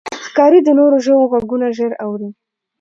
ښکاري د نورو ژوو غږونه ژر اوري.